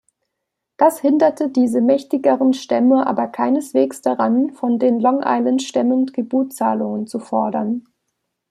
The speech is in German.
Das hinderte diese mächtigeren Stämme aber keineswegs daran, von den Long-Island-Stämmen Tributzahlungen zu fordern.